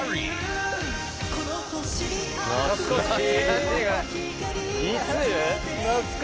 懐かしい。